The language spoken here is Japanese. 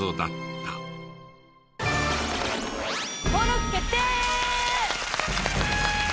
登録決定！